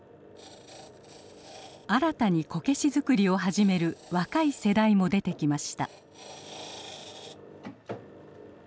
新たにこけし作りを始める若い世代も出てきました。